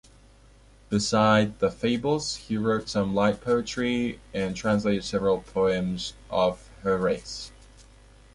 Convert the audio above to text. Beside the fables, he wrote some light poetry and translated several poems of Horace.